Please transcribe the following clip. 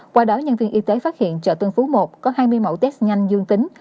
qua đó nhân viên y tế phát hiện chợ tân phú một có hai mươi mẫu test nhanh dương tính